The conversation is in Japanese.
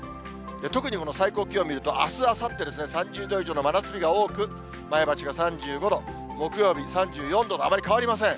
特にこの最高気温２９度と、あす、あさって、３０度以上の真夏日が多く、前橋が３５度、木曜日３４度と、あまり変わりません。